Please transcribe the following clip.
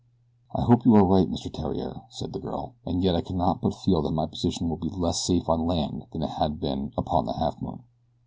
"I hope you are right, Mr. Theriere," said the girl, "and yet I cannot but feel that my position will be less safe on land than it has been upon the Halfmoon.